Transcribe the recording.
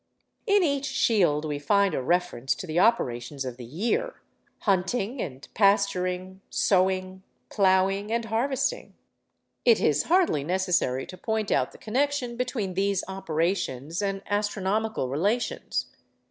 In each 'shield' we find a reference to the operations of the year—hunting and pasturing, sowing, ploughing, and harvesting. It is hardly necessary to point out the connection between these operations and astronomical relations.